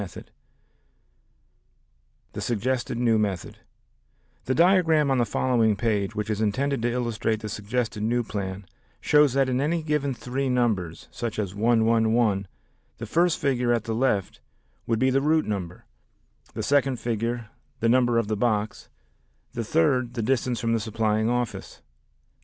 The Present Method The Suggested New Method The diagram on the following page, which is intended to illustrate the suggested new plan, shows that in any given three numbers, such as 111, the first figure at the left would be the route number, the second figure the number of the box, the third the distance from the supplying office.